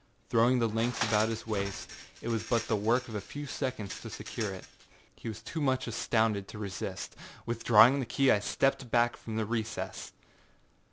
Throwing the links about his waist, it was but the work of a few seconds to secure it. He was too much astounded to resist. Withdrawing the key I stepped back from the recess.